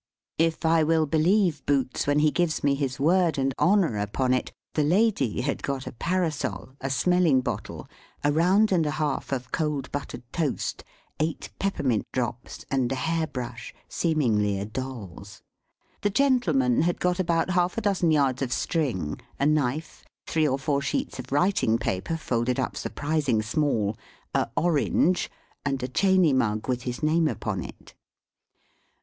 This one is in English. If I will believe Boots when he gives me his word and honour upon it, the lady had got a parasol, a smelling bottle, a round and a half of cold buttered toast, eight peppermint drops, and a hair brush, seemingly a doll's. The gentleman had got about half a dozen yards of string, a knife, three or four sheets of writing paper folded up surprising small, a orange, and a Chaney mug with his name upon it.